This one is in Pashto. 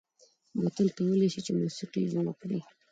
بوتل کولای شي موسيقي جوړ کړي.